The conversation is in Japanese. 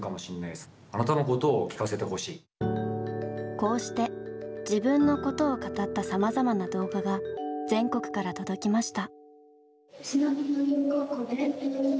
こうして「自分のこと」を語ったさまざまな動画が全国から届きました。